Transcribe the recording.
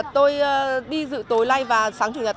tôi đi dự tối nay và sáng chủ nhật